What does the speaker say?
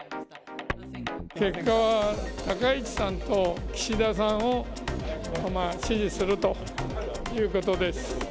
結果は高市さんと岸田さんを支持するということです。